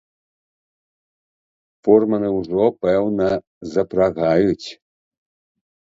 Фурманы ўжо, пэўна, запрагаюць.